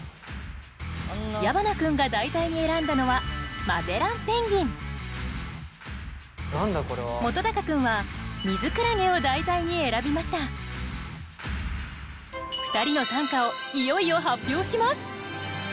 矢花君が題材に選んだのは本君はミズクラゲを題材に選びました２人の短歌をいよいよ発表します